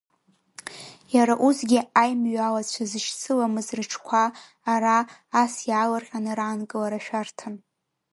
Иара усгьы аимҩалацәа зышьцыламыз рыҽқәа, ара, ас иаалырҟьаны раанкылара шәарҭан…